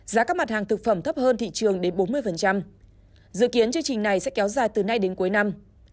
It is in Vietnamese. giá các mặt hàng thực phẩm thấp hơn thị trường đến bốn mươi dự kiến chương trình này sẽ kéo dài từ nay đến cuối năm